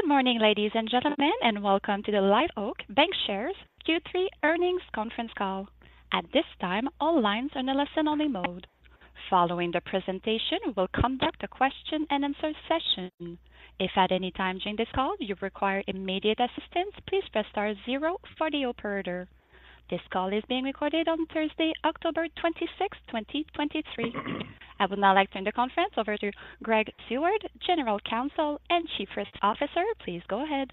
Good morning, ladies and gentlemen, and welcome to the Live Oak Bancshares Q3 Earnings Conference Call. At this time, all lines are in a listen-only mode. Following the presentation, we'll conduct a question-and-answer session. If at any time during this call you require immediate assistance, please press star zero for the operator. This call is being recorded on Thursday, October 26, 2023. I would now like to turn the conference over to Greg Seward, General Counsel and Chief Risk Officer. Please go ahead.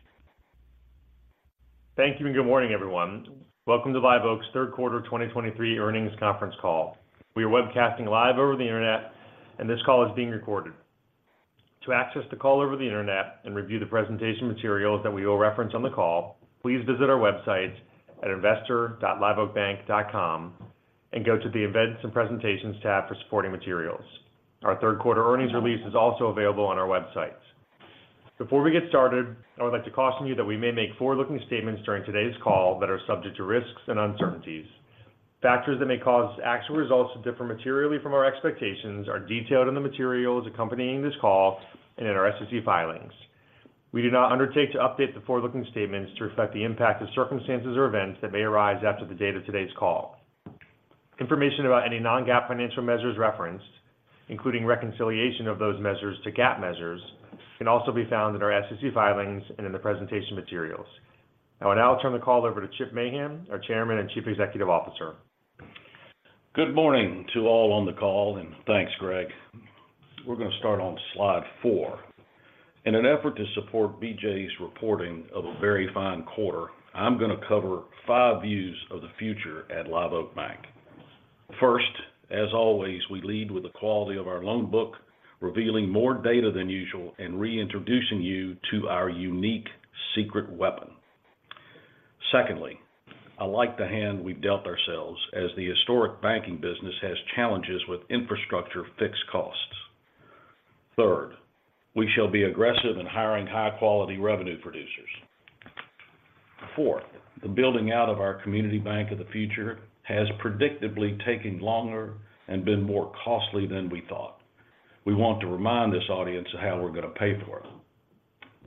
Thank you, and good morning, everyone. Welcome to Live Oak's third quarter 2023 earnings conference call. We are webcasting live over the internet, and this call is being recorded. To access the call over the internet and review the presentation materials that we will reference on the call, please visit our website at investor.liveoakbank.com and go to the Events and Presentations tab for supporting materials. Our third quarter earnings release is also available on our website. Before we get started, I would like to caution you that we may make forward-looking statements during today's call that are subject to risks and uncertainties. Factors that may cause actual results to differ materially from our expectations are detailed in the materials accompanying this call and in our SEC filings. We do not undertake to update the forward-looking statements to reflect the impact of circumstances or events that may arise after the date of today's call. Information about any non-GAAP financial measures referenced, including reconciliation of those measures to GAAP measures, can also be found in our SEC filings and in the presentation materials. I will now turn the call over to Chip Mahan, our Chairman and Chief Executive Officer. Good morning to all on the call, and thanks, Greg. We're going to start on slide 4. In an effort to support BJ's reporting of a very fine quarter, I'm going to cover five views of the future at Live Oak Bank. First, as always, we lead with the quality of our loan book, revealing more data than usual and reintroducing you to our unique secret weapon. Secondly, I like the hand we've dealt ourselves as the historic banking business has challenges with infrastructure fixed costs. Third, we shall be aggressive in hiring high-quality revenue producers. Fourth, the building out of our community bank of the future has predictably taken longer and been more costly than we thought. We want to remind this audience of how we're going to pay for it.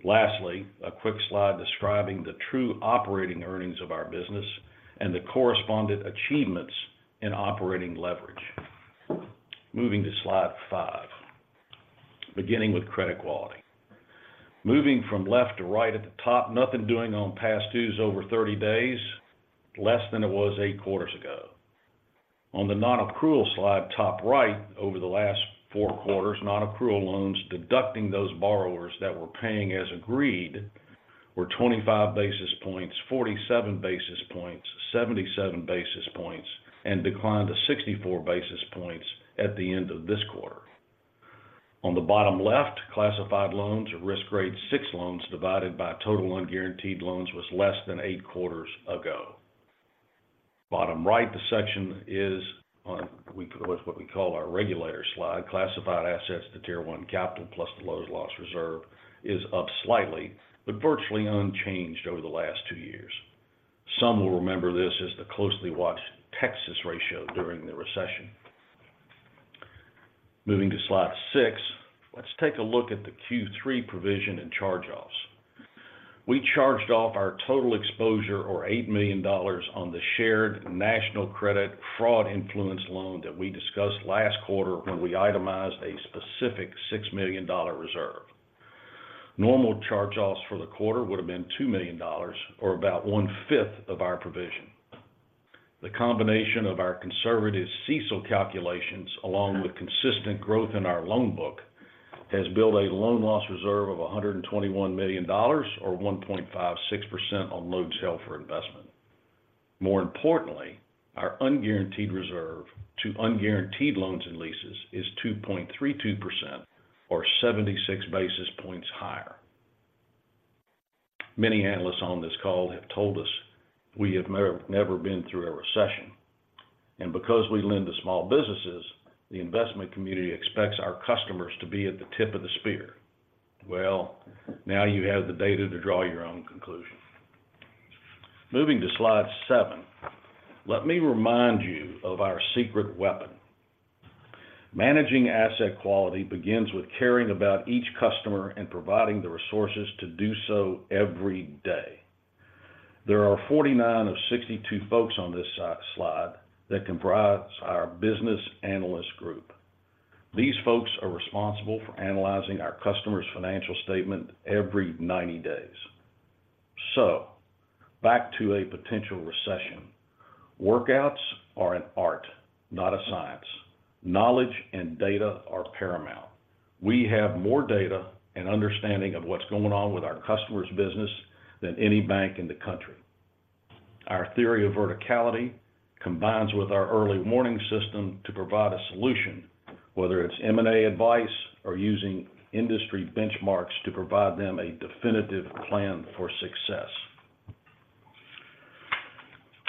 Lastly, a quick slide describing the true operating earnings of our business and the correspondent achievements in operating leverage. Moving to slide five, beginning with credit quality. Moving from left to right at the top, nothing doing on past dues over 30 days, less than it was eight quarters ago. On the non-accrual slide, top right, over the last four quarters, non-accrual loans, deducting those borrowers that were paying as agreed, were 25 basis points, 47 basis points, 77 basis points, and declined to 64 basis points at the end of this quarter. On the bottom left, classified loans or risk grade six loans divided by total unguaranteed loans was less than eight quarters ago. Bottom right, the section is on what we call our regulator slide, classified assets to Tier onecapital plus the loan loss reserve is up slightly, but virtually unchanged over the last two years. Some will remember this as the closely watched Texas Ratio during the recession. Moving to slide six, let's take a look at the Q3 provision and charge-offs. We charged off our total exposure or $8 million on the shared national credit fraud influence loan that we discussed last quarter when we itemized a specific $6 million reserve. Normal charge-offs for the quarter would have been $2 million or about one-fifth of our provision. The combination of our conservative CECL calculations, along with consistent growth in our loan book, has built a loan loss reserve of $121 million or 1.56% on loans held for investment. More importantly, our unguaranteed reserve to unguaranteed loans and leases is 2.32% or 76 basis points higher. Many analysts on this call have told us we have never, never been through a recession, and because we lend to small businesses, the investment community expects our customers to be at the tip of the spear. Well, now you have the data to draw your own conclusion. Moving to slide seven, let me remind you of our secret weapon. Managing asset quality begins with caring about each customer and providing the resources to do so every day. There are 49 of 62 folks on this slide that comprise our business analyst group. These folks are responsible for analyzing our customer's financial statement every 90 days. So back to a potential recession. Workouts are an art, not a science. Knowledge and data are paramount. We have more data and understanding of what's going on with our customer's business than any bank in the country. Our theory of verticality combines with our early warning system to provide a solution, whether it's M&A advice or using industry benchmarks to provide them a definitive plan for success.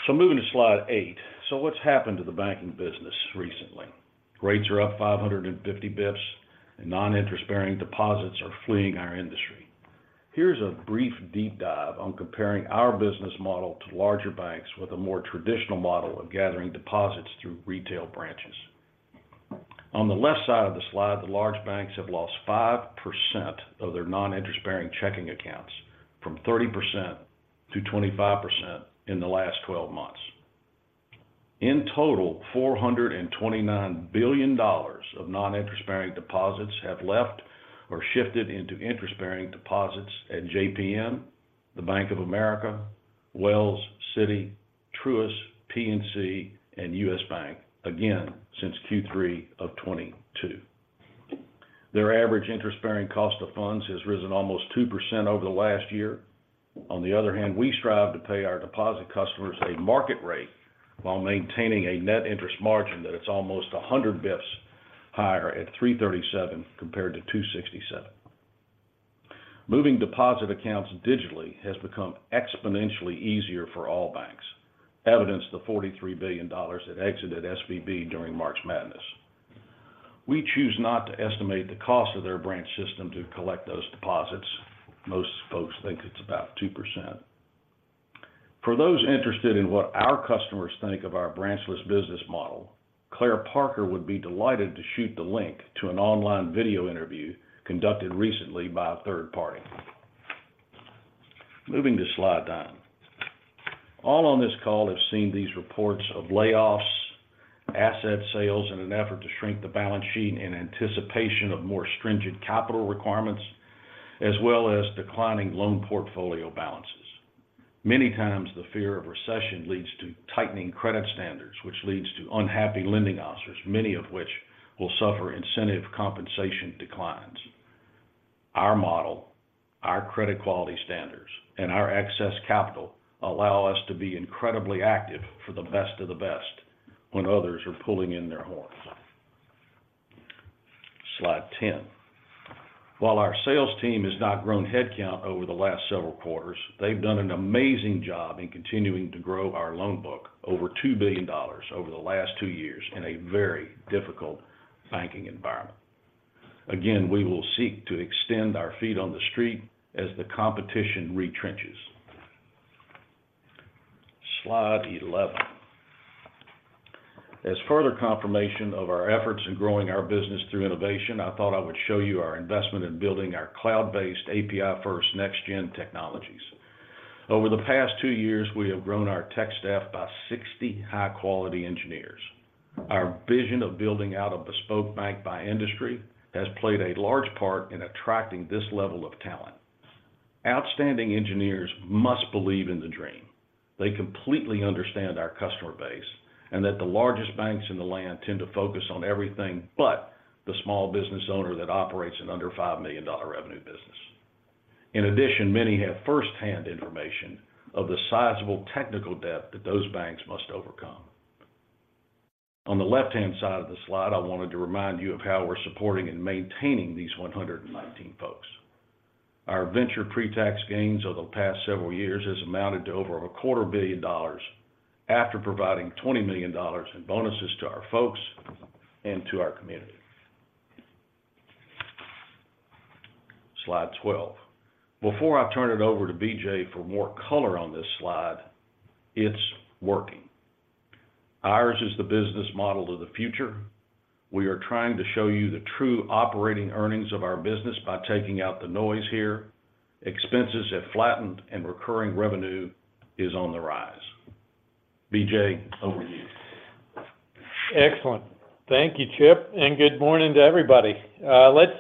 So moving to slide eight. So what's happened to the banking business recently? Rates are up 550 basis points, and non-interest-bearing deposits are fleeing our industry. Here's a brief, deep dive on comparing our business model to larger banks with a more traditional model of gathering deposits through retail branches. On the left side of the slide, the large banks have lost 5% of their non-interest-bearing checking accounts, from 30% to 25% in the last 12 months. In total, $429 billion of non-interest-bearing deposits have left or shifted into interest-bearing deposits at JPM, Bank of America, Wells, Citi, Truist, PNC, and U.S. Bank, again, since Q3 of 2022. Their average interest-bearing cost of funds has risen almost 2% over the last year. On the other hand, we strive to pay our deposit customers a market rate while maintaining a net interest margin that is almost 100 bips higher at 337, compared to 267. Moving deposit accounts digitally has become exponentially easier for all banks. Evidence, the $43 billion that exited SVB during March Madness. We choose not to estimate the cost of their branch system to collect those deposits. Most folks think it's about 2%. For those interested in what our customers think of our branchless business model, Claire Parker would be delighted to shoot the link to an online video interview conducted recently by a third party. Moving to slide nine. All on this call have seen these reports of layoffs, asset sales in an effort to shrink the balance sheet in anticipation of more stringent capital requirements, as well as declining loan portfolio balances. Many times, the fear of recession leads to tightening credit standards, which leads to unhappy lending officers, many of which will suffer incentive compensation declines. Our model, our credit quality standards, and our excess capital allow us to be incredibly active for the best of the best when others are pulling in their horns. Slide 10. While our sales team has not grown headcount over the last several quarters, they've done an amazing job in continuing to grow our loan book over $2 billion over the last two years in a very difficult banking environment. Again, we will seek to extend our feet on the street as the competition retrenches. Slide 11. As further confirmation of our efforts in growing our business through innovation, I thought I would show you our investment in building our cloud-based, API-first, next-gen technologies. Over the past two years, we have grown our tech staff by 60 high-quality engineers. Our vision of building out a bespoke bank by industry has played a large part in attracting this level of talent. Outstanding engineers must believe in the dream. They completely understand our customer base, and that the largest banks in the land tend to focus on everything but the small business owner that operates an under $5 million revenue business. In addition, many have first-hand information of the sizable technical debt that those banks must overcome. On the left-hand side of the slide, I wanted to remind you of how we're supporting and maintaining these 119 folks. Our venture pre-tax gains over the past several years has amounted to over $250 million, after providing $20 million in bonuses to our folks and to our community. Slide 12. Before I turn it over to BJ for more color on this slide, it's working. Ours is the business model of the future. We are trying to show you the true operating earnings of our business by taking out the noise here. Expenses have flattened and recurring revenue is on the rise. BJ, over to you. Excellent. Thank you, Chip, and good morning to everybody. Let's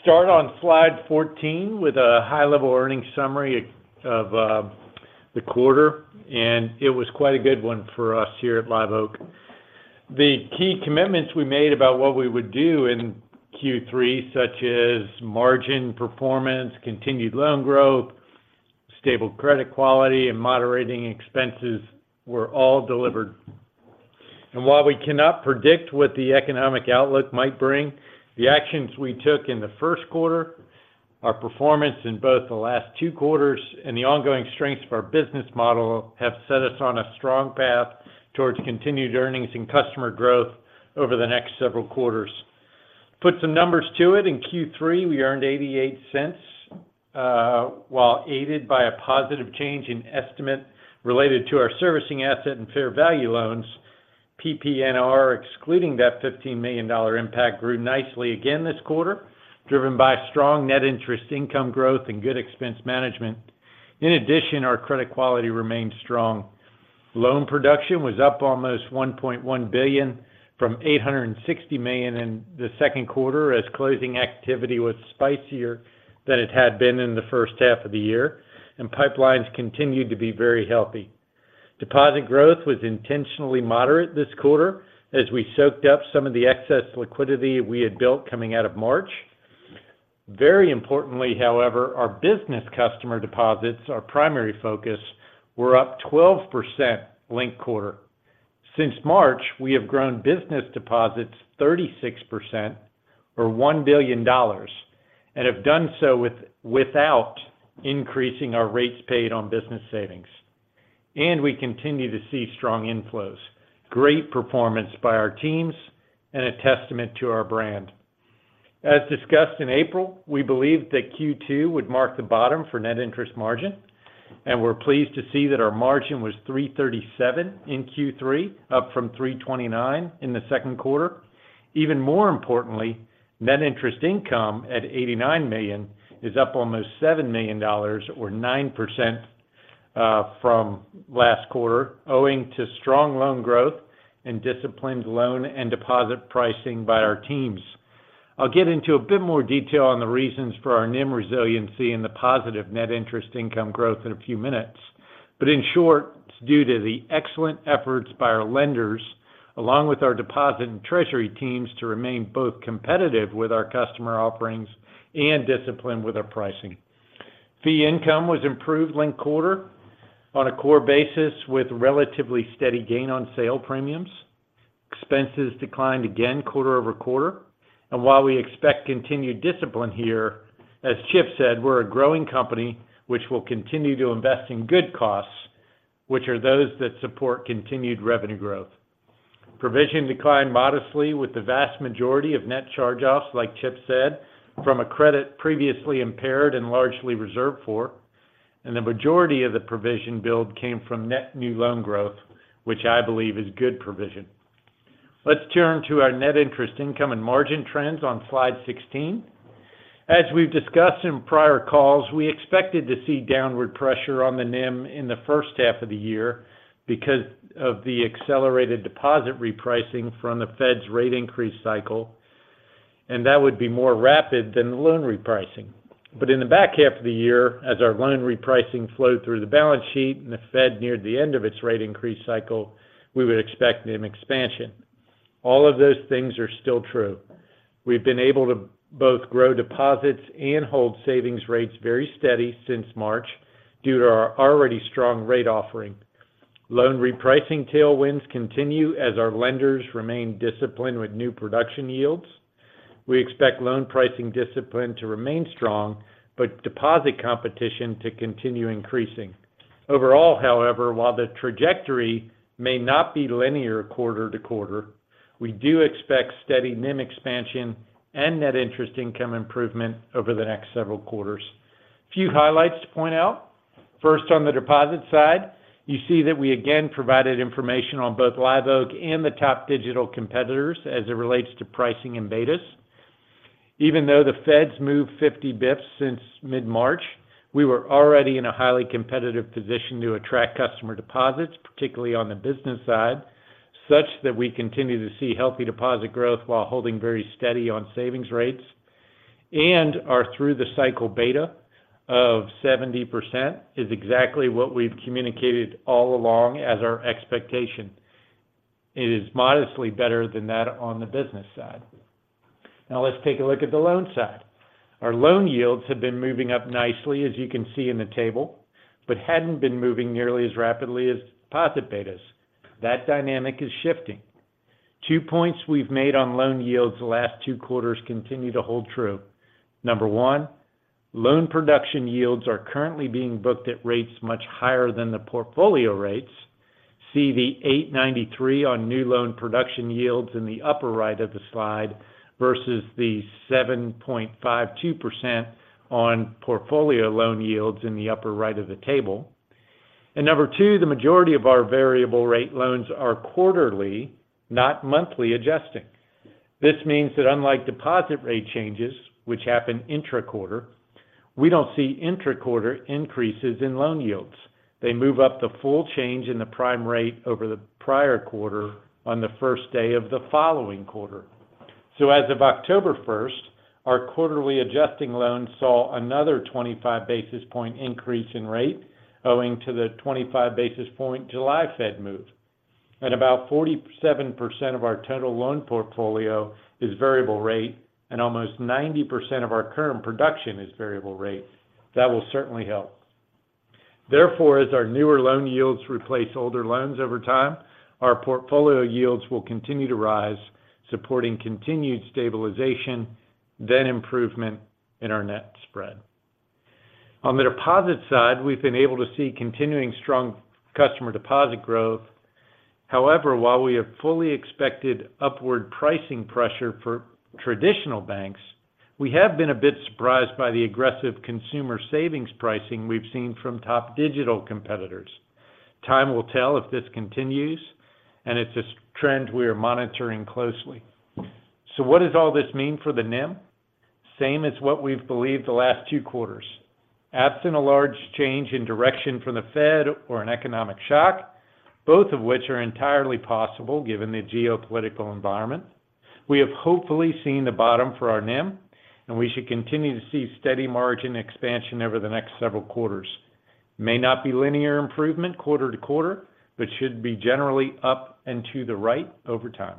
start on slide 14 with a high-level earnings summary of the quarter, and it was quite a good one for us here at Live Oak. The key commitments we made about what we would do in Q3, such as margin performance, continued loan growth, stable credit quality, and moderating expenses, were all delivered. And while we cannot predict what the economic outlook might bring, the actions we took in the first quarter, our performance in both the last two quarters, and the ongoing strengths of our business model, have set us on a strong path towards continued earnings and customer growth over the next several quarters. Put some numbers to it, in Q3, we earned $0.88, while aided by a positive change in estimate related to our servicing asset and fair value loans. PPNR, excluding that $15 million impact, grew nicely again this quarter, driven by strong net interest income growth and good expense management. In addition, our credit quality remained strong. Loan production was up almost $1.1 billion, from $860 million in the second quarter, as closing activity was spicier than it had been in the first half of the year, and pipelines continued to be very healthy. Deposit growth was intentionally moderate this quarter, as we soaked up some of the excess liquidity we had built coming out of March. Very importantly, however, our business customer deposits, our primary focus, were up 12% linked quarter. Since March, we have grown business deposits 36% or $1 billion, and have done so without increasing our rates paid on business savings. We continue to see strong inflows, great performance by our teams, and a testament to our brand. As discussed in April, we believed that Q2 would mark the bottom for net interest margin, and we're pleased to see that our margin was 3.37% in Q3, up from 3.29% in the second quarter. Even more importantly, net interest income at $89 million is up almost $7 million or 9% from last quarter, owing to strong loan growth and disciplined loan and deposit pricing by our teams. I'll get into a bit more detail on the reasons for our NIM resiliency and the positive net interest income growth in a few minutes. In short, it's due to the excellent efforts by our lenders, along with our deposit and treasury teams, to remain both competitive with our customer offerings and disciplined with our pricing. Fee income was improved linked-quarter on a core basis, with relatively steady gain-on-sale premiums. Expenses declined again, quarter-over-quarter, and while we expect continued discipline here, as Chip said, we're a growing company which will continue to invest in good costs, which are those that support continued revenue growth. Provision declined modestly with the vast majority of net charge-offs, like Chip said, from a credit previously impaired and largely reserved for, and the majority of the provision build came from net new loan growth, which I believe is good provision. Let's turn to our net interest income and margin trends on Slide 16. As we've discussed in prior calls, we expected to see downward pressure on the NIM in the first half of the year because of the accelerated deposit repricing from the Fed's rate increase cycle, and that would be more rapid than the loan repricing. But in the back half of the year, as our loan repricing flowed through the balance sheet and the Fed neared the end of its rate increase cycle, we would expect NIM expansion. All of those things are still true. We've been able to both grow deposits and hold savings rates very steady since March due to our already strong rate offering. Loan repricing tailwinds continue as our lenders remain disciplined with new production yields. We expect loan pricing discipline to remain strong, but deposit competition to continue increasing. Overall, however, while the trajectory may not be linear quarter to quarter, we do expect steady NIM expansion and net interest income improvement over the next several quarters. A few highlights to point out. First, on the deposit side, you see that we again provided information on both Live Oak and the top digital competitors as it relates to pricing and betas. Even though the Fed's moved 50 basis points since mid-March, we were already in a highly competitive position to attract customer deposits, particularly on the business side, such that we continue to see healthy deposit growth while holding very steady on savings rates. Our through-the-cycle beta of 70% is exactly what we've communicated all along as our expectation. It is modestly better than that on the business side. Now, let's take a look at the loan side. Our loan yields have been moving up nicely, as you can see in the table, but hadn't been moving nearly as rapidly as deposit betas. That dynamic is shifting. Two points we've made on loan yields the last two quarters continue to hold true. Number one, loan production yields are currently being booked at rates much higher than the portfolio rates. See the 8.93% on new loan production yields in the upper right of the slide versus the 7.52% on portfolio loan yields in the upper right of the table. And number two, the majority of our variable rate loans are quarterly, not monthly adjusting. This means that unlike deposit rate changes, which happen intra-quarter, we don't see intra-quarter increases in loan yields. They move up the full change in the prime rate over the prior quarter on the first day of the following quarter. So as of October first, our quarterly adjusting loans saw another 25 basis point increase in rate, owing to the 25 basis point July Fed move. About 47% of our total loan portfolio is variable rate, and almost 90% of our current production is variable rate. That will certainly help. Therefore, as our newer loan yields replace older loans over time, our portfolio yields will continue to rise, supporting continued stabilization, then improvement in our net spread. On the deposit side, we've been able to see continuing strong customer deposit growth. However, while we have fully expected upward pricing pressure for traditional banks, we have been a bit surprised by the aggressive consumer savings pricing we've seen from top digital competitors. Time will tell if this continues, and it's a trend we are monitoring closely. So what does all this mean for the NIM? Same as what we've believed the last two quarters. Absent a large change in direction from the Fed or an economic shock, both of which are entirely possible given the geopolitical environment, we have hopefully seen the bottom for our NIM, and we should continue to see steady margin expansion over the next several quarters. May not be linear improvement quarter to quarter, but should be generally up and to the right over time.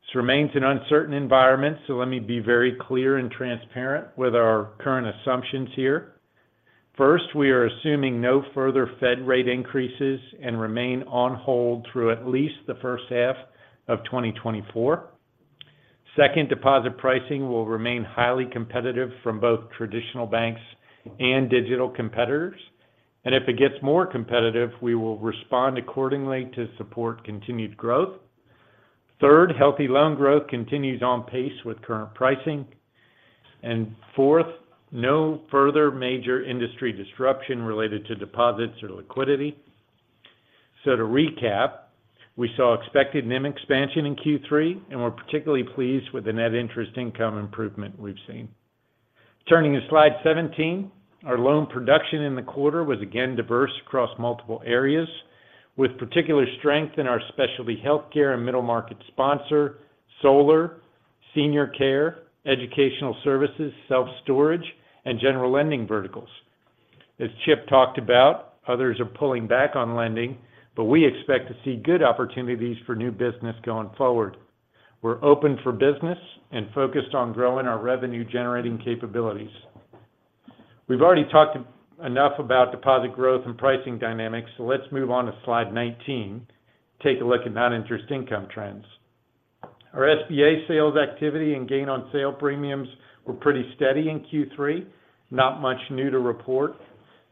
This remains an uncertain environment, so let me be very clear and transparent with our current assumptions here. First, we are assuming no further Fed rate increases and remain on hold through at least the first half of 2024. Second, deposit pricing will remain highly competitive from both traditional banks and digital competitors and if it gets more competitive, we will respond accordingly to support continued growth. Third, healthy loan growth continues on pace with current pricing. And fourth, no further major industry disruption related to deposits or liquidity. So to recap, we saw expected NIM expansion in Q3, and we're particularly pleased with the net interest income improvement we've seen. Turning to slide 17, our loan production in the quarter was again diverse across multiple areas, with particular strength in our specialty healthcare and middle market sponsor, solar, senior care, educational services, self-storage, and general lending verticals. As Chip talked about, others are pulling back on lending, but we expect to see good opportunities for new business going forward. We're open for business and focused on growing our revenue-generating capabilities. We've already talked enough about deposit growth and pricing dynamics, so let's move on to slide 19, take a look at non-interest income trends. Our SBA sales activity and gain-on-sale premiums were pretty steady in Q3, not much new to report.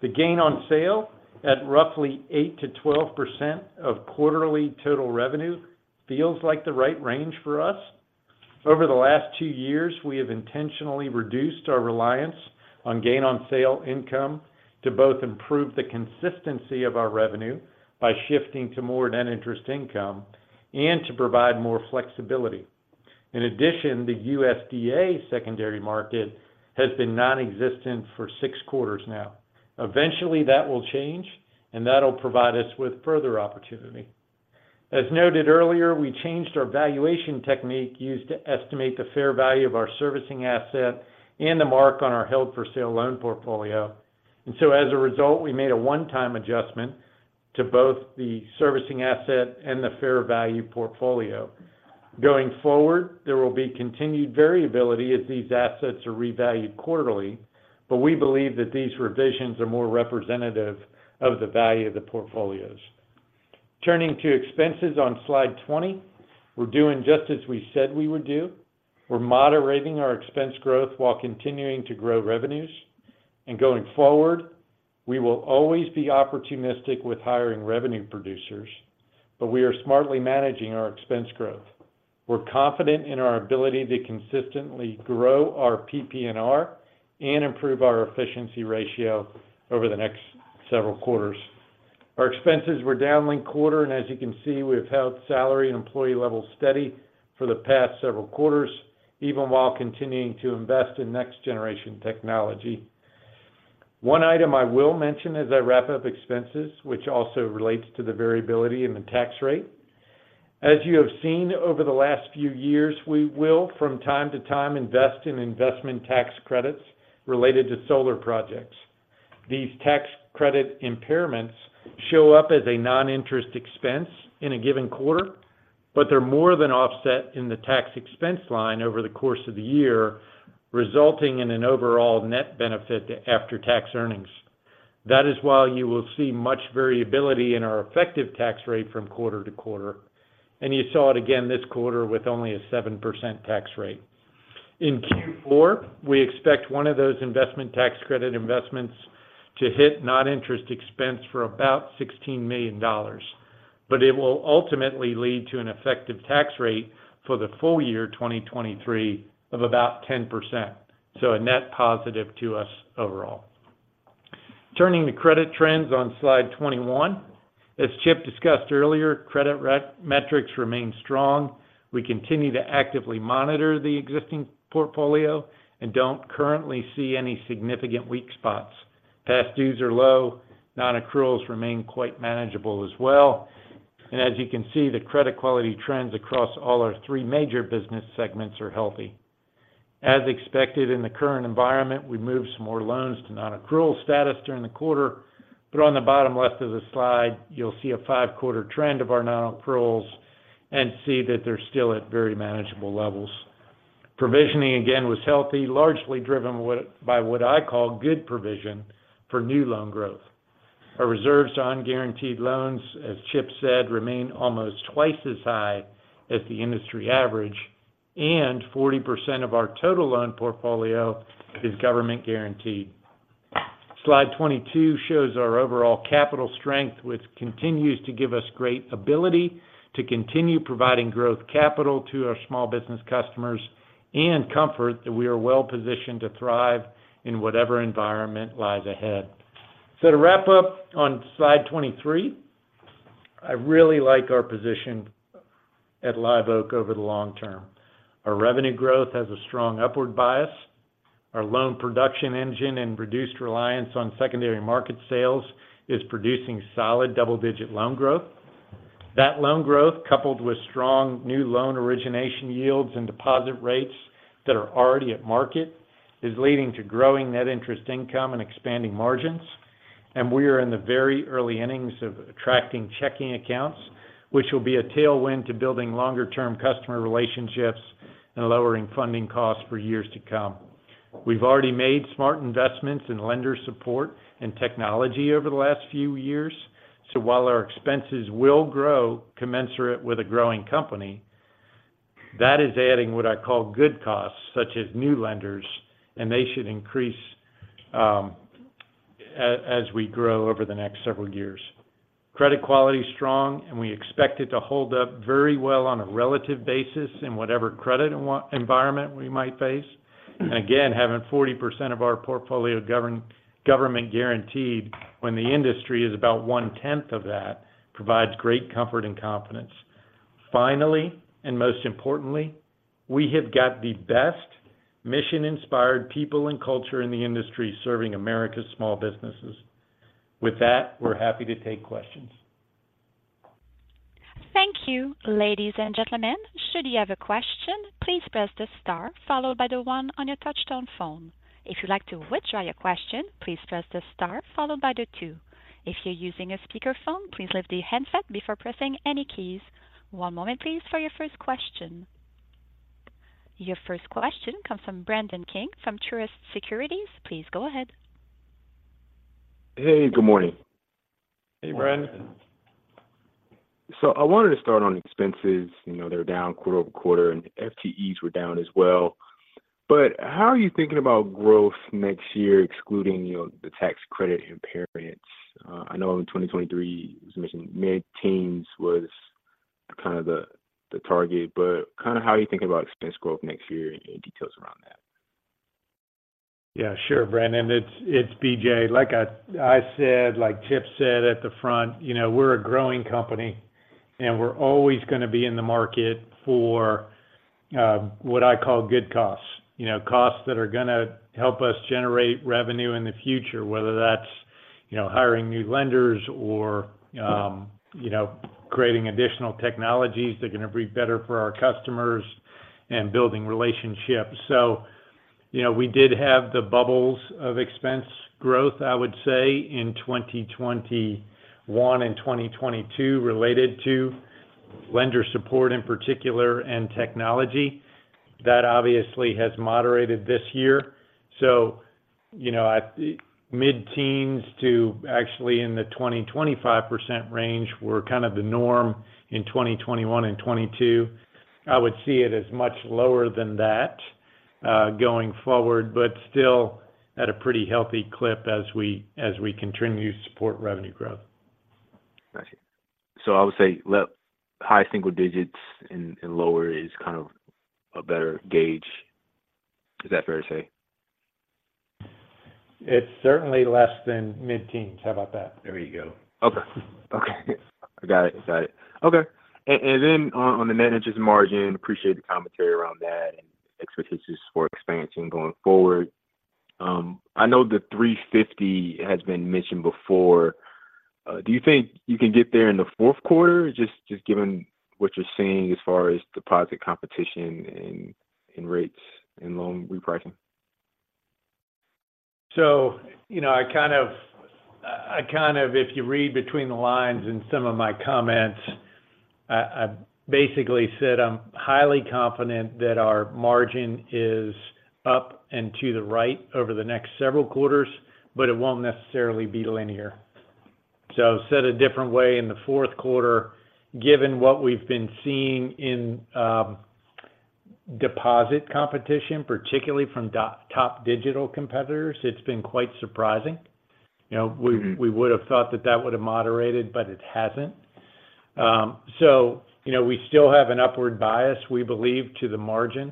The gain-on-sale, at roughly 8%-12% of quarterly total revenue, feels like the right range for us. Over the last two years, we have intentionally reduced our reliance on gain-on-sale income to both improve the consistency of our revenue by shifting to more net interest income and to provide more flexibility. In addition, the USDA secondary market has been nonexistent for six quarters now. Eventually, that will change, and that'll provide us with further opportunity. As noted earlier, we changed our valuation technique used to estimate the fair value of our servicing asset and the mark on our held-for-sale loan portfolio. And so, as a result, we made a one-time adjustment to both the servicing asset and the fair value portfolio. Going forward, there will be continued variability as these assets are revalued quarterly, but we believe that these revisions are more representative of the value of the portfolios. Turning to expenses on slide 20, we're doing just as we said we would do. We're moderating our expense growth while continuing to grow revenues, and going forward, we will always be opportunistic with hiring revenue producers, but we are smartly managing our expense growth. We're confident in our ability to consistently grow our PPNR and improve our efficiency ratio over the next several quarters. Our expenses were down linked-quarter, and as you can see, we've held salary and employee levels steady for the past several quarters, even while continuing to invest in next-generation technology. One item I will mention as I wrap up expenses, which also relates to the variability in the tax rate. As you have seen over the last few years, we will, from time to time, invest in investment tax credits related to solar projects. These tax credit impairments show up as a non-interest expense in a given quarter, but they're more than offset in the tax expense line over the course of the year, resulting in an overall net benefit to after-tax earnings. That is why you will see much variability in our effective tax rate from quarter to quarter, and you saw it again this quarter with only a 7% tax rate. In Q4, we expect one of those investment tax credit investments to hit non-interest expense for about $16 million, but it will ultimately lead to an effective tax rate for the full year 2023 of about 10%, so a net positive to us overall. Turning to credit trends on slide 21. As Chip discussed earlier, credit metrics remain strong. We continue to actively monitor the existing portfolio and don't currently see any significant weak spots. Past dues are low, nonaccruals remain quite manageable as well. As you can see, the credit quality trends across all our three major business segments are healthy. As expected in the current environment, we moved some more loans to nonaccrual status during the quarter, but on the bottom left of the slide, you'll see a five-quarter trend of our nonaccruals and see that they're still at very manageable levels. Provisioning, again, was healthy, largely driven by what I call good provision for new loan growth. Our reserves on guaranteed loans, as Chip said, remain almost twice as high as the industry average, and 40% of our total loan portfolio is government-guaranteed. Slide 22 shows our overall capital strength, which continues to give us great ability to continue providing growth capital to our small business customers and comfort that we are well-positioned to thrive in whatever environment lies ahead. So to wrap up on slide 23, I really like our position at Live Oak over the long term. Our revenue growth has a strong upward bias. Our loan production engine and reduced reliance on secondary market sales is producing solid double-digit loan growth. That loan growth, coupled with strong new loan origination yields and deposit rates that are already at market, is leading to growing net interest income and expanding margins. And we are in the very early innings of attracting checking accounts, which will be a tailwind to building longer-term customer relationships and lowering funding costs for years to come. We've already made smart investments in lender support and technology over the last few years, so while our expenses will grow commensurate with a growing company, that is adding what I call good costs, such as new lenders, and they should increase as we grow over the next several years. Credit quality is strong, and we expect it to hold up very well on a relative basis in whatever credit environment we might face. And again, having 40% of our portfolio government guaranteed when the industry is about one-tenth of that, provides great comfort and confidence. Finally, and most importantly, we have got the best mission-inspired people and culture in the industry serving America's small businesses. With that, we're happy to take questions. Thank you. Ladies and gentlemen, should you have a question, please press the star followed by the one on your touchtone phone. If you'd like to withdraw your question, please press the star followed by the two. If you're using a speakerphone, please lift the handset before pressing any keys. One moment, please, for your first question. Your first question comes from Brandon King from Truist Securities. Please go ahead. Hey, good morning. Hey, Brandon. So I wanted to start on expenses. You know, they're down quarter-over-quarter, and FTEs were down as well. But how are you thinking about growth next year, excluding, you know, the tax credit impairments? I know in 2023, you mentioned mid-teens was kind of the target, but kinda how are you thinking about expense growth next year and any details around that? Yeah, sure, Brandon. It's BJ. Like I said, like Chip said at the front, you know, we're a growing company, and we're always gonna be in the market for what I call good costs. You know, costs that are gonna help us generate revenue in the future, whether that's, you know, hiring new lenders or creating additional technologies that are gonna be better for our customers and building relationships. So, you know, we did have the bubbles of expense growth, I would say, in 2021 and 2022, related to lender support in particular and technology. That obviously has moderated this year. So, you know, at mid-teens to actually in the 20%-25% range were kind of the norm in 2021 and 2022. I would see it as much lower than that, going forward, but still at a pretty healthy clip as we continue to support revenue growth. Gotcha. So I would say low-high single digits and lower is kind of a better gauge. Is that fair to say? It's certainly less than mid-teens. How about that? There you go. Okay. Okay, I got it. Got it. Okay. And then on the net interest margin, appreciate the commentary around that and expectations for expansion going forward. I know the 3.50% has been mentioned before. Do you think you can get there in the fourth quarter, just given what you're seeing as far as deposit competition and rates and loan repricing? So, you know, I kind of if you read between the lines in some of my comments, I basically said I'm highly confident that our margin is up and to the right over the next several quarters, but it won't necessarily be linear. So said a different way in the fourth quarter, given what we've been seeing in deposit competition, particularly from top digital competitors, it's been quite surprising. You know- Mm-hmm. We, we would have thought that that would have moderated, but it hasn't. So, you know, we still have an upward bias, we believe, to the margin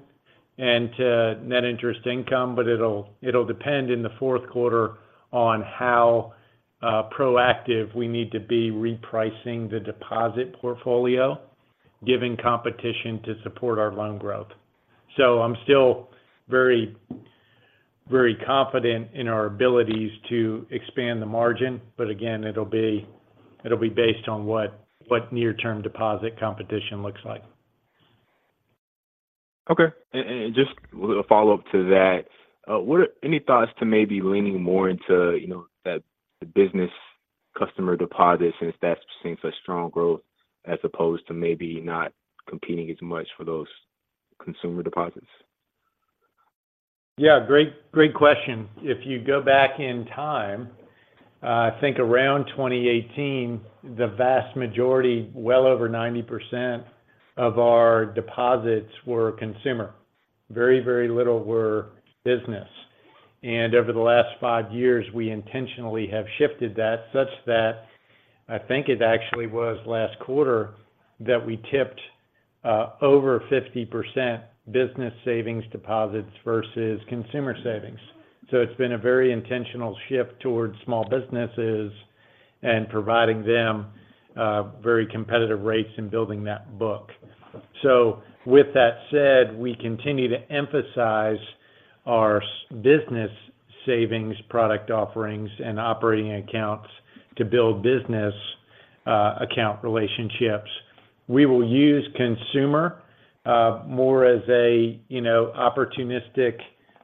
and to net interest income, but it'll, it'll depend in the fourth quarter on how proactive we need to be repricing the deposit portfolio, giving competition to support our loan growth. So I'm still very, very confident in our abilities to expand the margin, but again, it'll be, it'll be based on what, what near-term deposit competition looks like. Okay. And just a follow-up to that, what are any thoughts to maybe leaning more into, you know, that, the business customer deposits since that's seeing such strong growth, as opposed to maybe not competing as much for those consumer deposits? Yeah, great, great question. If you go back in time, I think around 2018, the vast majority, well over 90% of our deposits were consumer. Very, very little were business. And over the last five years, we intentionally have shifted that, such that I think it actually was last quarter that we tipped over 50% business savings deposits versus consumer savings. So it's been a very intentional shift towards small businesses and providing them very competitive rates in building that book. So with that said, we continue to emphasize our business savings product offerings and operating accounts to build business account relationships. We will use consumer more as a, you know, opportunistic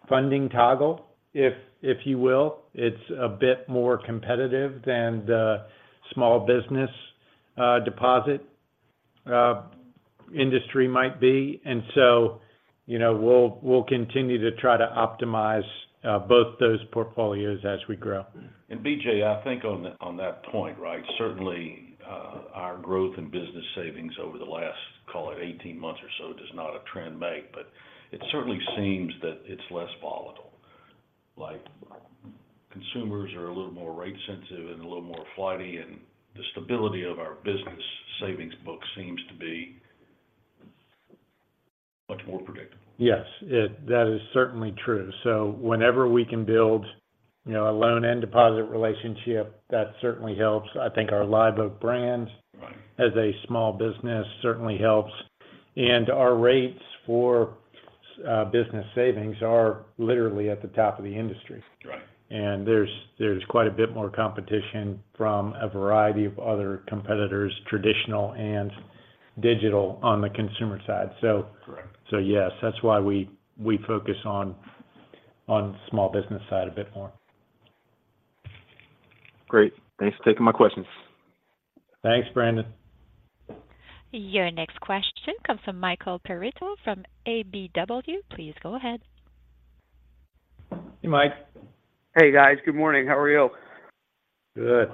funding toggle, if, if you will. It's a bit more competitive than the small business deposit industry might be. And so... You know, we'll continue to try to optimize both those portfolios as we grow. B.J., I think on, on that point, right? Certainly, our growth in business savings over the last, call it 18 months or so, does not a trend make, but it certainly seems that it's less volatile. Like, consumers are a little more rate sensitive and a little more flighty, and the stability of our business savings book seems to be much more predictable. Yes, that is certainly true. So whenever we can build, you know, a loan and deposit relationship, that certainly helps. I think our Live Oak brand- Right as a small business, certainly helps. And our rates for business savings are literally at the top of the industry. Right. There's quite a bit more competition from a variety of other competitors, traditional and digital, on the consumer side. So- Correct. So yes, that's why we focus on small business side a bit more. Great. Thanks for taking my questions. Thanks, Brandon. Your next question comes from Michael Perito from KBW. Please go ahead. Hey, Michael. Hey, guys. Good morning. How are you? Good.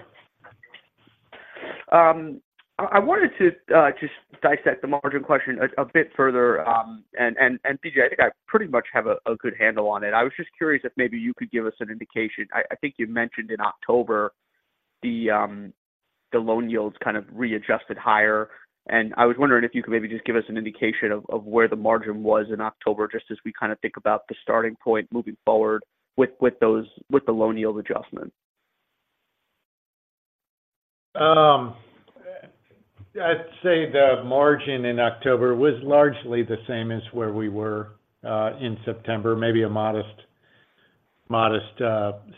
I wanted to just dissect the margin question a bit further, and BJ, I think I pretty much have a good handle on it. I was just curious if maybe you could give us an indication. I think you mentioned in October, the loan yields kind of readjusted higher, and I was wondering if you could maybe just give us an indication of where the margin was in October, just as we kind of think about the starting point moving forward with those, with the loan yield adjustment. I'd say the margin in October was largely the same as where we were in September. Maybe a modest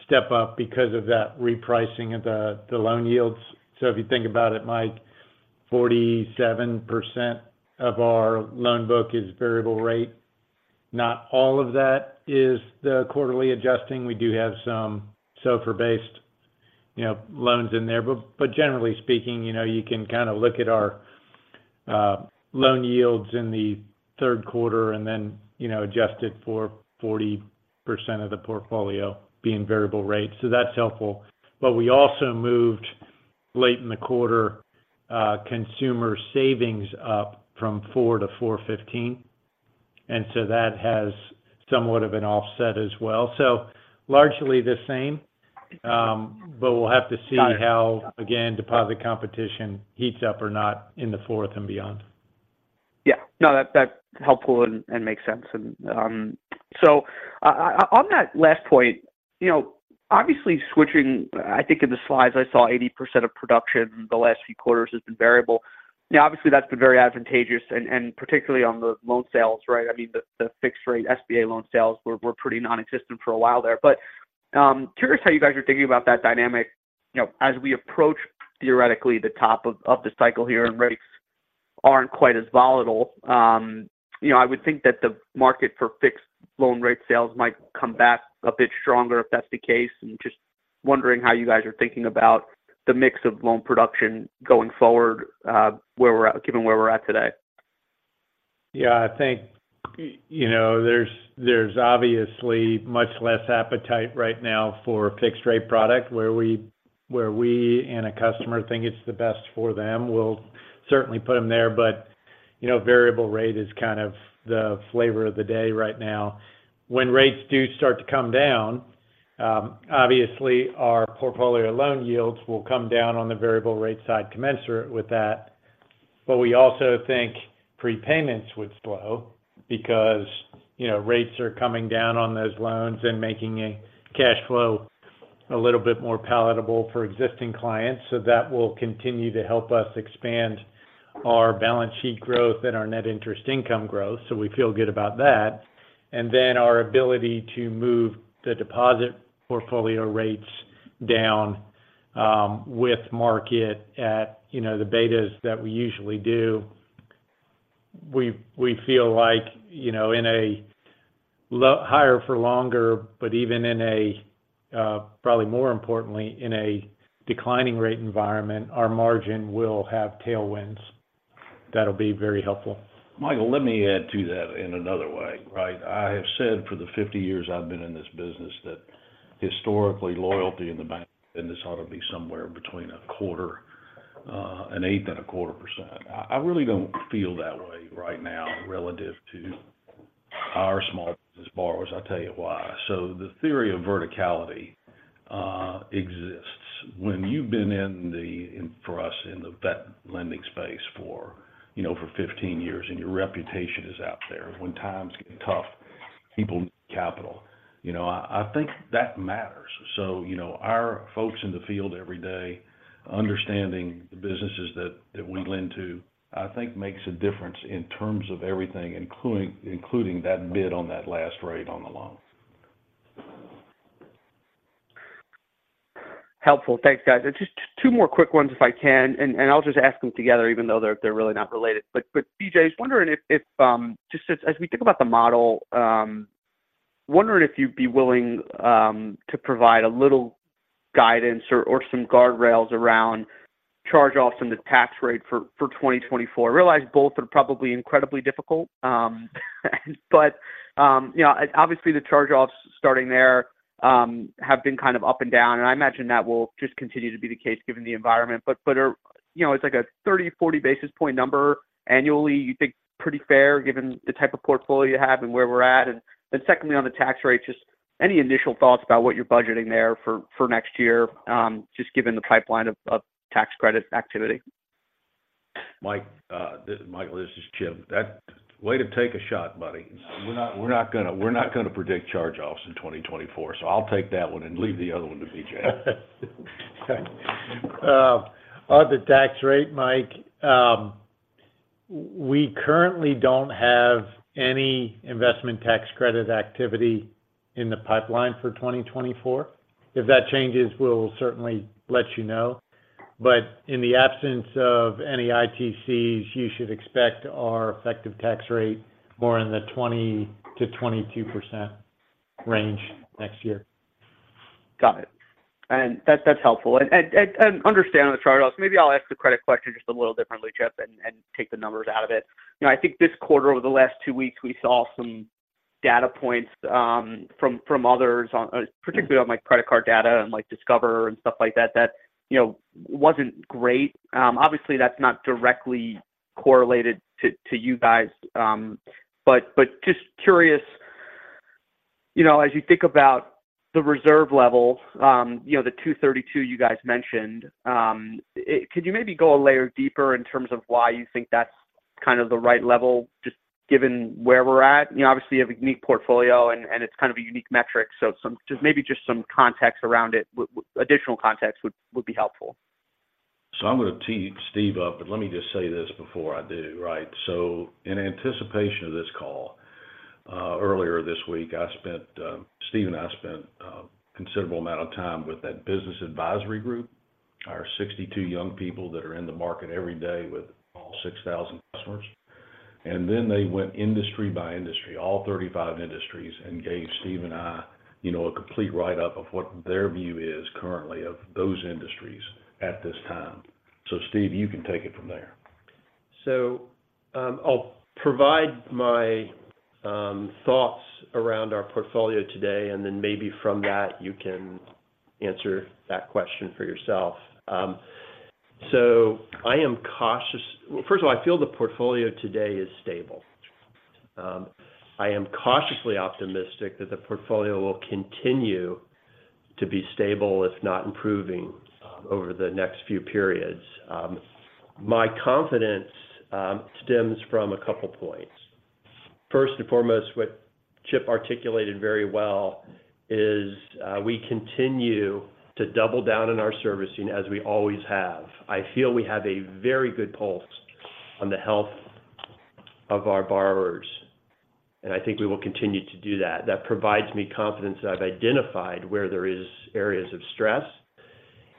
step up because of that repricing of the loan yields. So if you think about it, Michael, 47% of our loan book is variable rate. Not all of that is the quarterly adjusting. We do have some SOFR-based, you know, loans in there. But generally speaking, you know, you can kind of look at our loan yields in the third quarter and then, you know, adjust it for 40% of the portfolio being variable rate. So that's helpful. But we also moved, late in the quarter, consumer savings up from 4% to 4.15%, and so that has somewhat of an offset as well. So largely the same, but we'll have to see- Got it... how, again, deposit competition heats up or not in the fourth and beyond? Yeah. No, that's helpful and makes sense. And so on that last point, you know, obviously switching—I think in the slides, I saw 80% of production in the last few quarters has been variable. Now, obviously, that's been very advantageous and particularly on the loan sales, right? I mean, the fixed rate, SBA loan sales were pretty nonexistent for a while there. But curious how you guys are thinking about that dynamic, you know, as we approach, theoretically, the top of the cycle here, and rates aren't quite as volatile. You know, I would think that the market for fixed loan rate sales might come back a bit stronger, if that's the case. I'm just wondering how you guys are thinking about the mix of loan production going forward, where we're at—given where we're at today. Yeah, I think, you know, there's obviously much less appetite right now for a fixed-rate product. Where we and a customer think it's the best for them, we'll certainly put them there. But, you know, variable rate is kind of the flavor of the day right now. When rates do start to come down, obviously, our portfolio loan yields will come down on the variable rate side, commensurate with that. But we also think prepayments would slow because, you know, rates are coming down on those loans and making a cash flow a little bit more palatable for existing clients. So that will continue to help us expand our balance sheet growth and our net interest income growth, so we feel good about that. Then, our ability to move the deposit portfolio rates down, with market at, you know, the betas that we usually do. We feel like, you know, in a higher for longer, but even in a, probably more importantly, in a declining rate environment, our margin will have tailwinds. That'll be very helpful. Michael, let me add to that in another way, right? I have said for the 50 years I've been in this business, that historically, loyalty in the bank, and this ought to be somewhere between a quarter, an eighth and a quarter percent. I, I really don't feel that way right now relative to our small business borrowers. I'll tell you why. The theory of verticality exists. When you've been in the, for us, in the vet lending space for, you know, for 15 years, and your reputation is out there. When times get tough, people... capital. You know, I, I think that matters. Our folks in the field every day, understanding the businesses that, that we lend to, I think makes a difference in terms of everything, including, including that bid on that last rate on the loan. Helpful. Thanks, guys. Just two more quick ones, if I can, and I'll just ask them together, even though they're really not related. But BJ, I was wondering if just as we think about the model, wondering if you'd be willing to provide a little guidance or some guardrails around charge-offs and the tax rate for 2024. I realize both are probably incredibly difficult, but you know, obviously, the charge-offs starting there have been kind of up and down, and I imagine that will just continue to be the case given the environment. But you know, it's like a 30-40 basis point number annually, you think pretty fair, given the type of portfolio you have and where we're at? Then secondly, on the tax rate, just any initial thoughts about what you're budgeting there for, for next year, just given the pipeline of tax credit activity? Michael, this is Chip. That's way to take a shot, buddy. We're not gonna predict charge-offs in 2024, so I'll take that one and leave the other one to BJ. On the tax rate, Michael, we currently don't have any investment tax credit activity in the pipeline for 2024. If that changes, we'll certainly let you know. But in the absence of any ITCs, you should expect our effective tax rate more in the 20%-22% range next year. Got it. And that's helpful. And understand on the charge-offs, maybe I'll ask the credit question just a little differently, Chip, and take the numbers out of it. You know, I think this quarter, over the last two weeks, we saw some data points from others on particularly on, like, credit card data and, like, Discover and stuff like that, that you know, wasn't great. Obviously, that's not directly correlated to you guys, but just curious, you know, as you think about the reserve level, you know, the 232 you guys mentioned, could you maybe go a layer deeper in terms of why you think that's kind of the right level, just given where we're at? You know, obviously, you have a unique portfolio and it's kind of a unique metric, so some just maybe some context around it. Additional context would be helpful. So I'm going to tee Steve up, but let me just say this before I do, right? So in anticipation of this call, earlier this week, Steve and I spent a considerable amount of time with that business advisory group, our 62 young people that are in the market every day with all 6,000 customers. And then they went industry by industry, all 35 industries, and gave Steve and I, you know, a complete write-up of what their view is currently of those industries at this time. So Steve, you can take it from there. So, I'll provide my thoughts around our portfolio today, and then maybe from that, you can answer that question for yourself. So I am cautious. Well, first of all, I feel the portfolio today is stable. I am cautiously optimistic that the portfolio will continue to be stable, if not improving, over the next few periods. My confidence stems from a couple points. First and foremost, what Chip articulated very well is, we continue to double down on our servicing, as we always have. I feel we have a very good pulse on the health of our borrowers, and I think we will continue to do that. That provides me confidence that I've identified where there is areas of stress,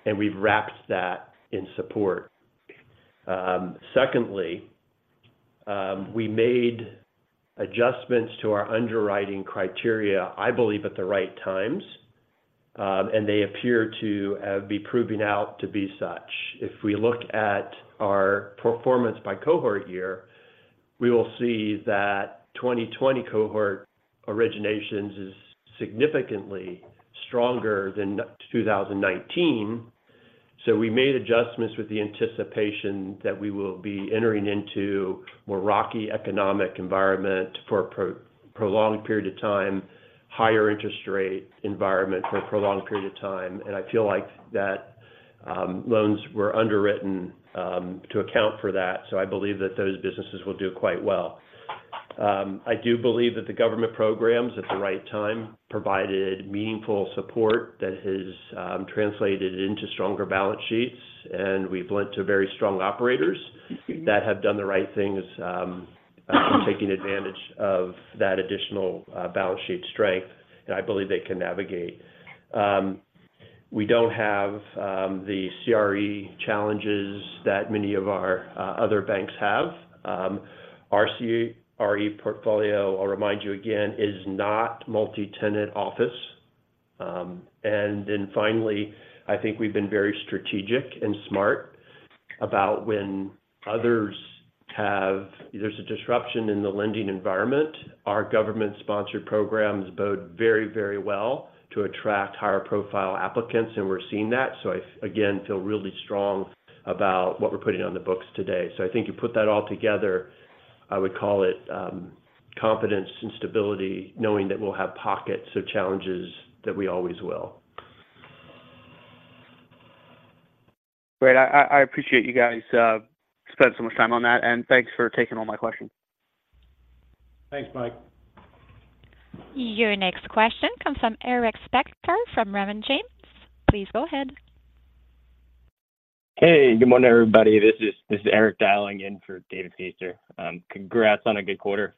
and we've wrapped that in support. Secondly, we made adjustments to our underwriting criteria, I believe, at the right times, and they appear to be proving out to be such. If we look at our performance by cohort year, we will see that 2020 cohort originations is significantly stronger than 2019. So we made adjustments with the anticipation that we will be entering into a more rocky economic environment for a prolonged period of time, higher interest rate environment for a prolonged period of time, and I feel like that loans were underwritten to account for that. So I believe that those businesses will do quite well. I do believe that the government programs, at the right time, provided meaningful support that has translated into stronger balance sheets, and we've lent to very strong operators that have done the right things, taking advantage of that additional balance sheet strength, and I believe they can navigate. We don't have the CRE challenges that many of our other banks have. Our CRE portfolio, I'll remind you again, is not multi-tenant office. And then finally, I think we've been very strategic and smart about when others have, there's a disruption in the lending environment. Our government-sponsored programs bode very, very well to attract higher-profile applicants, and we're seeing that. So I, again, feel really strong about what we're putting on the books today. So I think you put that all together, I would call it confidence and stability, knowing that we'll have pockets of challenges that we always will. Great. I appreciate you guys spending so much time on that, and thanks for taking all my questions. Thanks, Mike. Your next question comes from Eric Spector from Raymond James. Please go ahead. Hey, good morning, everybody. This is, this is Eric dialing in for David Feaster. Congrats on a good quarter.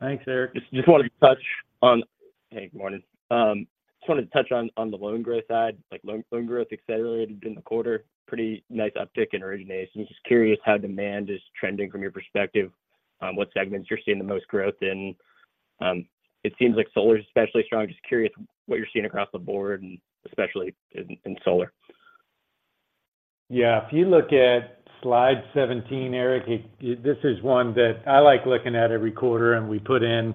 Thanks, Eric. Just wanted to touch on... Hey, good morning.... Just wanted to touch on the loan growth side. Like, loan growth accelerated in the quarter, pretty nice uptick in originations. Just curious how demand is trending from your perspective, what segments you're seeing the most growth in? It seems like solar is especially strong. Just curious what you're seeing across the board, and especially in solar. Yeah. If you look at slide 17, Eric, this is one that I like looking at every quarter, and we put in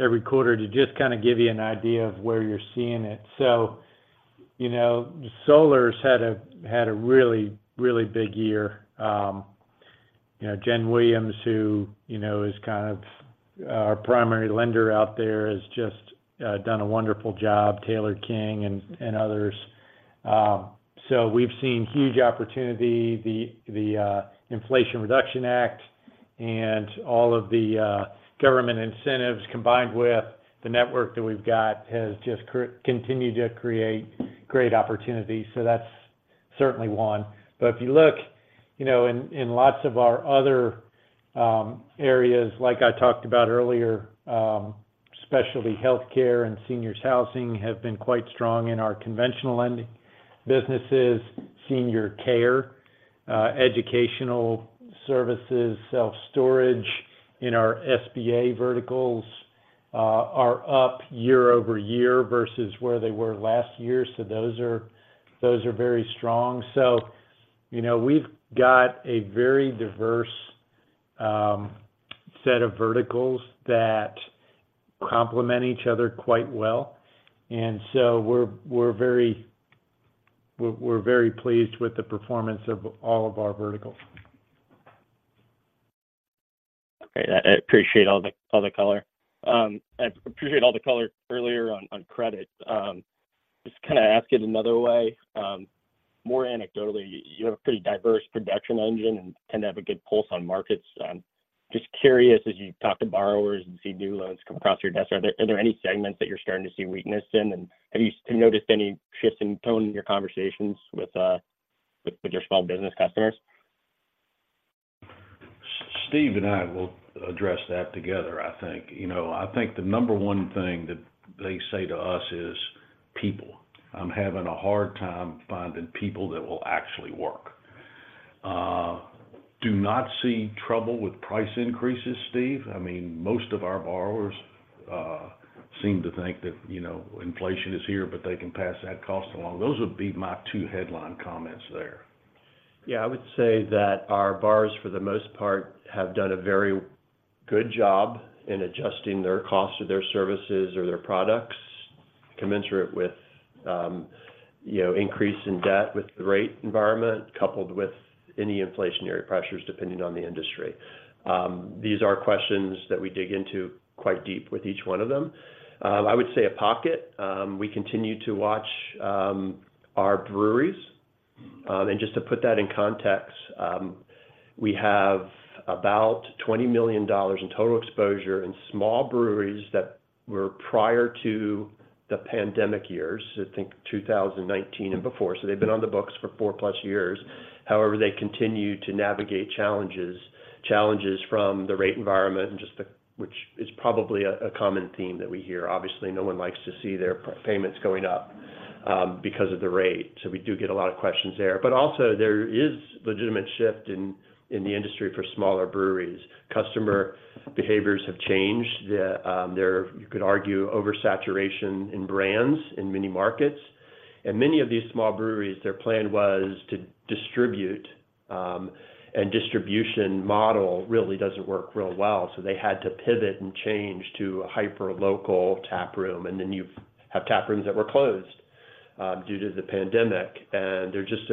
every quarter to just kind of give you an idea of where you're seeing it. So, you know, solar's had a really, really big year. You know, Jen Williams, who, you know, is kind of our primary lender out there, has just done a wonderful job, Taylor King and others. So we've seen huge opportunity. The Inflation Reduction Act and all of the government incentives, combined with the network that we've got, has just continued to create great opportunities. So that's certainly one. But if you look, you know, in, in lots of our other areas, like I talked about earlier, specialty healthcare and seniors housing have been quite strong in our conventional lending businesses. Senior care, educational services, self-storage in our SBA verticals are up year-over-year versus where they were last year. So those are, those are very strong. So, you know, we've got a very diverse set of verticals that complement each other quite well. And so we're very pleased with the performance of all of our verticals. Okay. I appreciate all the color. I appreciate all the color earlier on credit. Just kind of ask it another way, more anecdotally, you have a pretty diverse production engine and tend to have a good pulse on markets. Just curious, as you talk to borrowers and see new loans come across your desk, are there any segments that you're starting to see weakness in? And have you noticed any shifts in tone in your conversations with your small business customers? Steve and I will address that together, I think. You know, I think the number one thing that they say to us is: people. "I'm having a hard time finding people that will actually work." Do not see trouble with price increases, Steve. I mean, most of our borrowers seem to think that, you know, inflation is here, but they can pass that cost along. Those would be my two headline comments there. Yeah, I would say that our borrowers, for the most part, have done a very good job in adjusting their costs of their services or their products, commensurate with, you know, increase in debt with the rate environment, coupled with any inflationary pressures, depending on the industry. These are questions that we dig into quite deep with each one of them. I would say a pocket we continue to watch are breweries. And just to put that in context, we have about $20 million in total exposure in small breweries that were prior to the pandemic years, I think 2019 and before. So they've been on the books for 4+ years. However, they continue to navigate challenges from the rate environment and just which is probably a common theme that we hear. Obviously, no one likes to see their payments going up because of the rate. We do get a lot of questions there. Also, there is legitimate shift in the industry for smaller breweries. Customer behaviors have changed. You could argue, oversaturation in brands in many markets. Many of these small breweries, their plan was to distribute, and distribution model really doesn't work real well, so they had to pivot and change to a hyperlocal taproom. You have taprooms that were closed due to the pandemic. There are just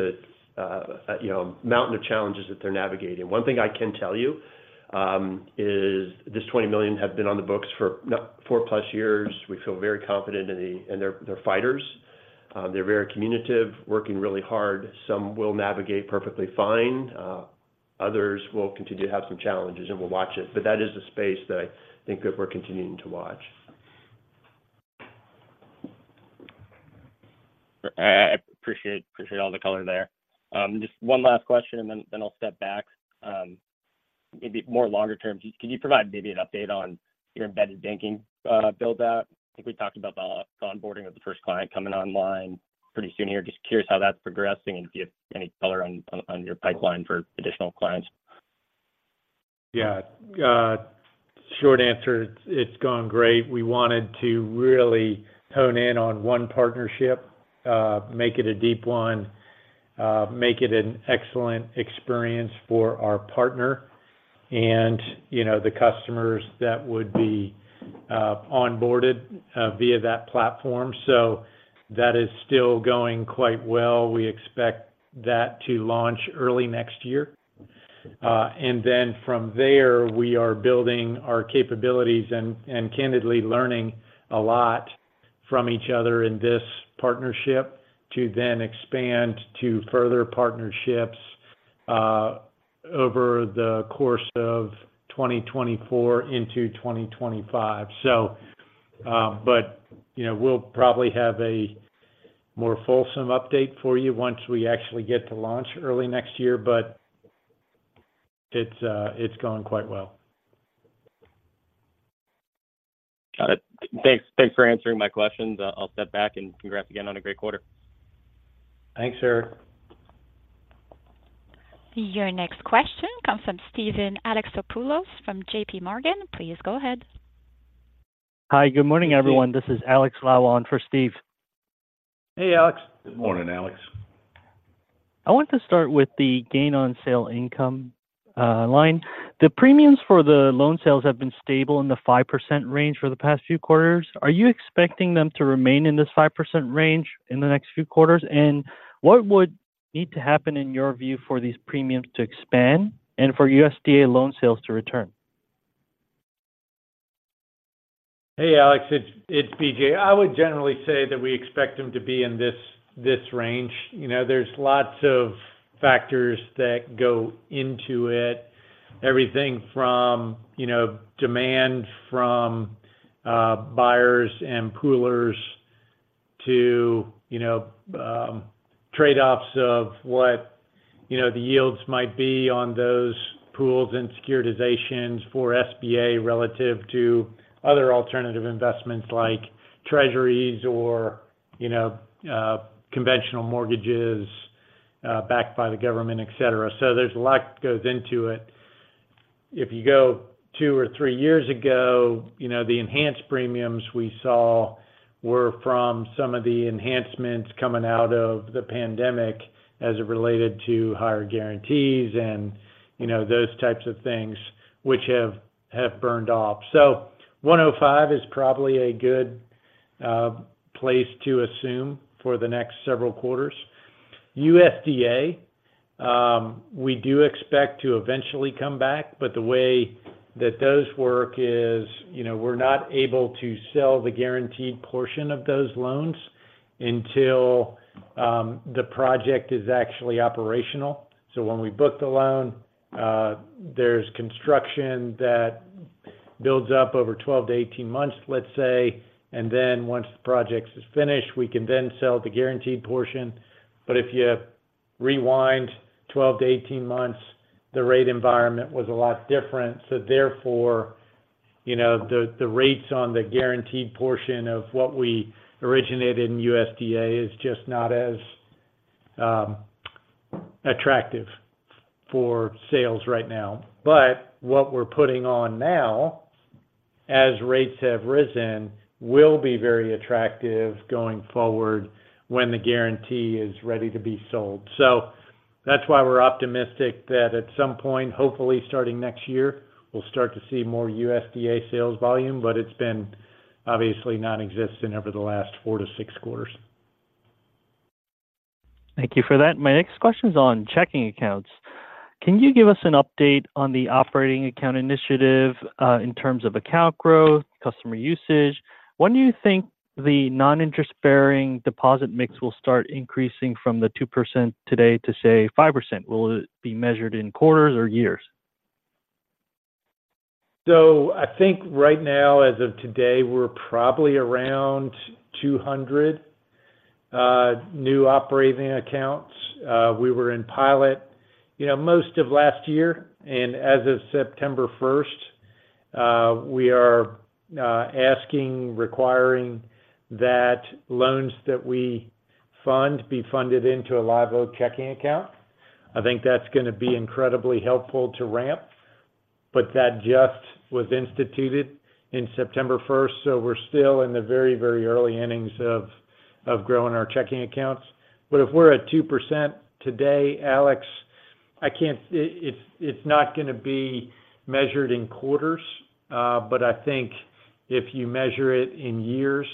a mountain of challenges that they're navigating. One thing I can tell you is this $20 million have been on the books for four plus years. We feel very confident in the... And they're fighters. They're very communicative, working really hard. Some will navigate perfectly fine, others will continue to have some challenges, and we'll watch it. But that is a space that I think that we're continuing to watch. I appreciate all the color there. Just one last question, and then I'll step back. Maybe more longer term, can you provide maybe an update on your embedded banking build-out? I think we talked about the onboarding of the first client coming online pretty soon here. Just curious how that's progressing and if you have any color on your pipeline for additional clients. Yeah. Short answer, it's gone great. We wanted to really hone in on one partnership, make it a deep one, make it an excellent experience for our partner and, you know, the customers that would be onboarded via that platform. So that is still going quite well. We expect that to launch early next year. And then from there, we are building our capabilities and, and candidly learning a lot from each other in this partnership, to then expand to further partnerships over the course of 2024 into 2025. So, but, you know, we'll probably have a more fulsome update for you once we actually get to launch early next year, but it's going quite well. Got it. Thanks, thanks for answering my questions. I'll step back and congrats again on a great quarter. Thanks, Eric. Your next question comes from Steven Alexopoulos from JP Morgan. Please go ahead. Hi, good morning, everyone. This is Alex Lalo for Steve. Hey, Alex. Good morning, Alex. I want to start with the gain on sale income, line. The premiums for the loan sales have been stable in the 5% range for the past few quarters. Are you expecting them to remain in this 5% range in the next few quarters? And what would need to happen, in your view, for these premiums to expand and for USDA loan sales to return? Hey, Alex, it's BJ. I would generally say that we expect them to be in this range. You know, there's lots of factors that go into it. Everything from, you know, demand from buyers and poolers to, you know, trade-offs of what, you know, the yields might be on those pools and securitizations for SBA relative to other alternative investments like treasuries or, you know, conventional mortgages backed by the government, et cetera. So there's a lot goes into it. If you go two or three years ago, you know, the enhanced premiums we saw were from some of the enhancements coming out of the pandemic as it related to higher guarantees and, you know, those types of things which have burned off. So 105 is probably a good place to assume for the next several quarters. USDA, we do expect to eventually come back, but the way that those work is, you know, we're not able to sell the guaranteed portion of those loans until the project is actually operational. So when we book the loan, there's construction that builds up over 12-18 months, let's say, and then once the project is finished, we can then sell the guaranteed portion. But if you rewind 12-18 months, the rate environment was a lot different. So therefore, you know, the rates on the guaranteed portion of what we originated in USDA is just not as attractive for sales right now. But what we're putting on now, as rates have risen, will be very attractive going forward when the guarantee is ready to be sold. So that's why we're optimistic that at some point, hopefully starting next year, we'll start to see more USDA sales volume, but it's been obviously nonexistent over the last 4-6 quarters. Thank you for that. My next question is on checking accounts. Can you give us an update on the operating account initiative, in terms of account growth, customer usage? When do you think the non-interest-bearing deposit mix will start increasing from the 2% today to, say, 5%? Will it be measured in quarters or years? So I think right now, as of today, we're probably around 200 new operating accounts. We were in pilot, you know, most of last year, and as of September first, we are asking, requiring that loans that we fund be funded into a Live Oak checking account. I think that's gonna be incredibly helpful to ramp, but that just was instituted in September first, so we're still in the very, very early innings of growing our checking accounts. But if we're at 2% today, Alex, it's not gonna be measured in quarters, but I think if you measure it in years,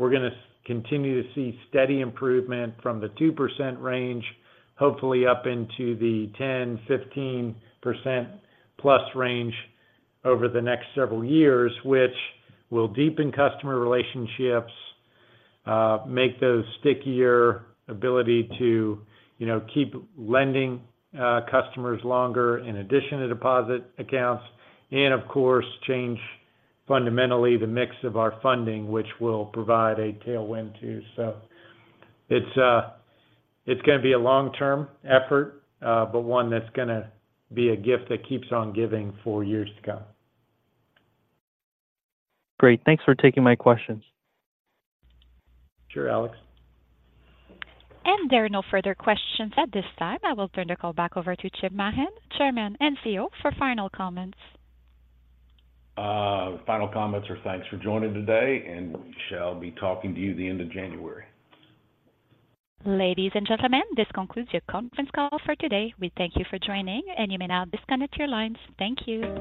we're gonna continue to see steady improvement from the 2% range, hopefully up into the 10%-15%+ range over the next several years, which will deepen customer relationships, make those stickier ability to, you know, keep lending customers longer in addition to deposit accounts, and of course, change fundamentally the mix of our funding, which will provide a tailwind too. So it's gonna be a long-term effort, but one that's gonna be a gift that keeps on giving for years to come. Great. Thanks for taking my questions. Sure, Alex. There are no further questions at this time. I will turn the call back over to Chip Mahan, Chairman and CEO, for final comments. Final comments are thanks for joining today, and we shall be talking to you at the end of January. Ladies and gentlemen, this concludes your conference call for today. We thank you for joining, and you may now disconnect your lines. Thank you.